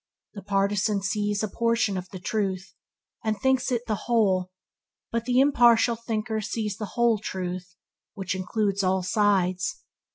The partisan sees a portion of the truth, and thinks it the whole, but the impartial thinker sees the whole truth which includes all sides.